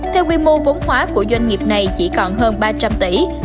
theo quy mô vốn hóa của doanh nghiệp này chỉ còn hơn ba trăm linh tỷ